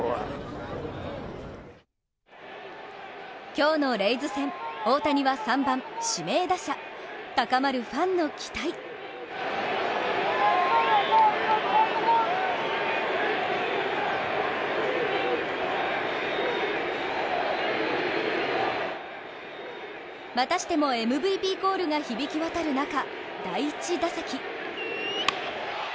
今日のレイズ戦大谷は３番・指名打者高まるファンの期待またしてもＭＶＰコールが響き渡る中、第１打席。